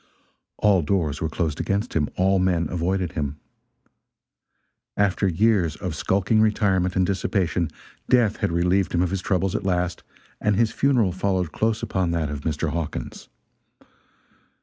All doors were closed against him, all men avoided him. After years of skulking retirement and dissipation, death had relieved him of his troubles at last, and his funeral followed close upon that of Mr. Hawkins.